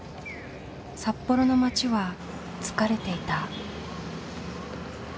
札幌の町は疲れていた。